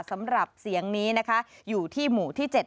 สำหรับเสียงนี้นะคะอยู่ที่หมู่ที่๗